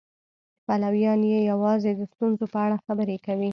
پلویان یې یوازې د ستونزو په اړه خبرې کوي.